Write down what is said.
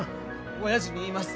おやじに言います